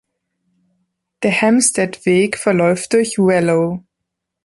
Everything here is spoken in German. Der Hamstead-Weg verläuft durch Wellow.